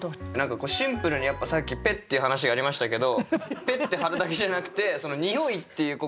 シンプルにやっぱさっきペッていう話がありましたけどペッて貼るだけじゃなくて「匂い」っていう五感と組み合わせ。